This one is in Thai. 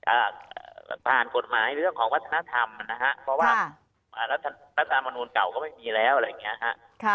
อ่าผ่านกฎหมายในเรื่องของวัฒนธรรมนะฮะเพราะว่าอ่ารัฐธรรมนูลเก่าก็ไม่มีแล้วอะไรอย่างเงี้ยฮะค่ะ